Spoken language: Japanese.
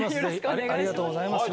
ありがとうございます。